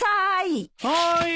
はい！